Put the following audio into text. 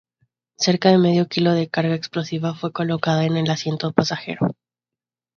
Cerca de medio kilo de carga explosiva fue colocada en el asiento pasajero.